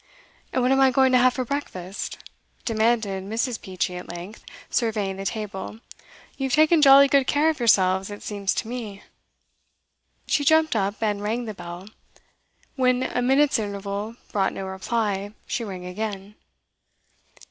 'And what am I going to have for breakfast?' demanded Mrs. Peachey at length, surveying the table. 'You've taken jolly good care of yourselves, it seems to me.' She jumped up, and rang the bell. When a minute's interval brought no reply, she rang again.